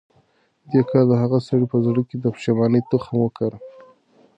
دې کار د هغه سړي په زړه کې د پښېمانۍ تخم وکره.